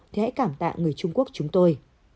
thì hãy cảm tạ người trung quốc chúng tôi